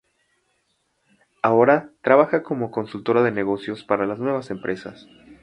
Ahora trabaja como consultora de negocios para las nuevas empresas.